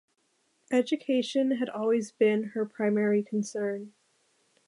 Education had always been her primary concern.